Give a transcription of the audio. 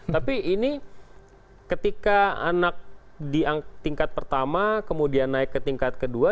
tapi ini ketika anak di tingkat pertama kemudian naik ke tingkat kedua